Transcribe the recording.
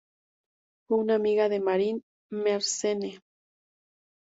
Fue una amiga de Marin Mersenne.